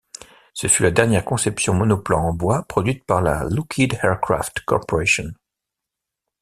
Ce fut la dernière conception monoplan en bois produite par la Lockheed Aircraft Corporation.